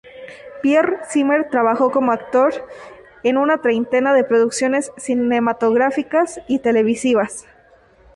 Pierre Zimmer trabajó como actor en una treintena de producciones cinematográficas y televisivas.